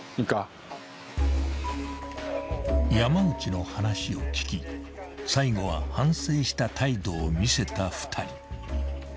［山内の話を聞き最後は反省した態度を見せた２人］